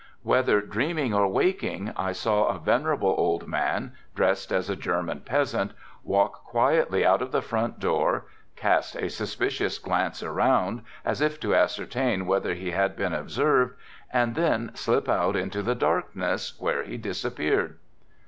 Whether dreaming or waking, I saw a venerable old man, dressed as a German peasant, walk quietly out of the front door, cast a suspicious glance around, as if to ascertain whether he had been observed and then slip out into the darkness, where he disappeared.